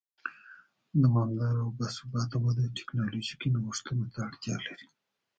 دوامداره او با ثباته وده ټکنالوژیکي نوښتونو ته اړتیا لري.